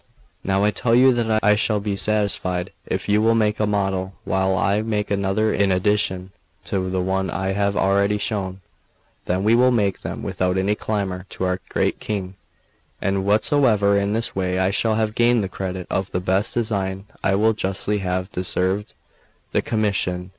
Now I tell you that I shall be satisfied if you will make a model, while I make another in addition to the one I have already shown. Then we will take them without any clamour to our great King; and whosoever in this way shall have gained the credit of the best design will justly have deserved the commission.